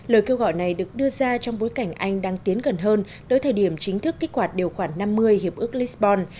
lời kêu gọi này được đưa ra trong bối cảnh anh đang tiến gần hơn tới thời điểm chính thức kích hoạt điều khoản năm mươi hiệp ước lisbon